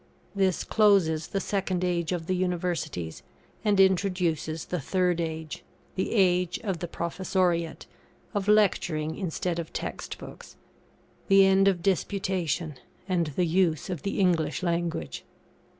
This closes the second age of the Universities, and introduces the third age, the age of the Professoriate, of Lecturing instead of Text books, the end of Disputation, and the use of the English Language.